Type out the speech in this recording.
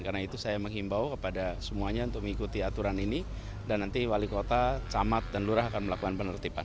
karena itu saya mengimbau kepada semuanya untuk mengikuti aturan ini dan nanti wali kota camat dan lurah akan melakukan penertiban